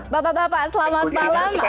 bapak bapak selamat malam